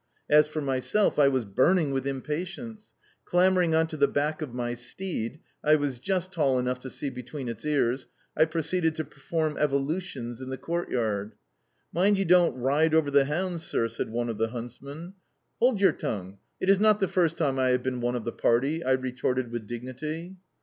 As for myself, I was burning with impatience. Clambering on to the back of my steed (I was just tall enough to see between its ears), I proceeded to perform evolutions in the courtyard. "Mind you don't ride over the hounds, sir," said one of the huntsmen. "Hold your tongue. It is not the first time I have been one of the party." I retorted with dignity.